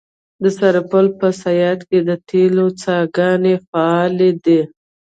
د سرپل په صیاد کې د تیلو څاګانې فعالې دي.